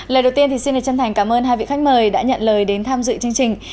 lời đầu tiên thì xin đề chân thành cảm ơn hai vị khách mời đã nhận lời đến tham dự chương trình